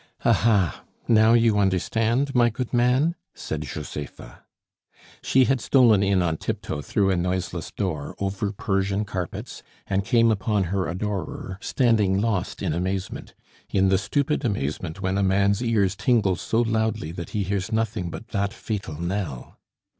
"Ah, ha! Now you understand, my good man?" said Josepha. She had stolen in on tiptoe through a noiseless door, over Persian carpets, and came upon her adorer, standing lost in amazement in the stupid amazement when a man's ears tingle so loudly that he hears nothing but that fatal knell.